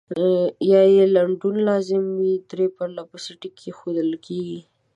یا یې لنډون لازم وي درې پرلپسې ټکي اېښودل کیږي.